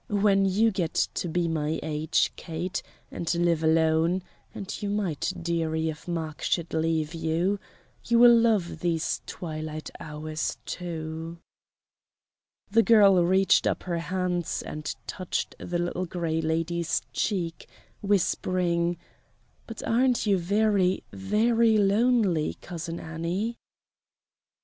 When you get to be my age, Kate, and live alone and you might, dearie, if Mark should leave you you will love these twilight hours, too." The girl reached up her hands and touched the Little Gray Lady's cheek, whispering: "But aren't you very, very lonely. Cousin Annie?"